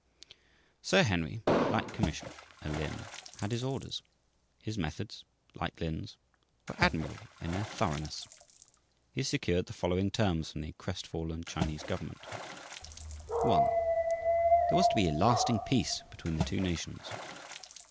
Sir Henry, like Commissioner Lin, had his orders. His methods, like Lin's, were admirable in their thoroughness. He secured the following terms from the crestfallen Chinese government: 1. There was to be a "lasting peace" between the two nations.